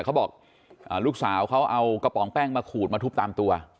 เขาบอกลูกสาวเขาเอากระป๋องแป้งมาขูดมาทุบตามตัว